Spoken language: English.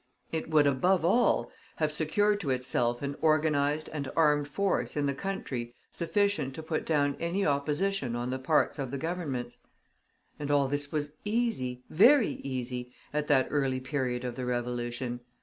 It would, above all, have secured to itself an organized and armed force in the country sufficient to put down any opposition on the parts of the Governments. And all this was easy, very easy, at that early period of the Revolution.